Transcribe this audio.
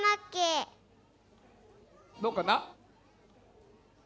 どうかな？